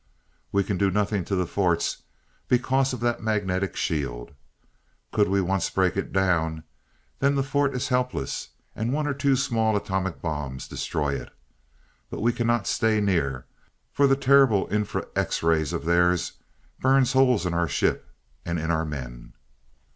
"We can do nothing to those forts, because of that magnetic shield. Could we once break it down, then the fort is helpless, and one or two small atomic bombs destroy it. But we cannot stay near, for the terrible infra X rays of theirs burn holes in our ships, and in our men.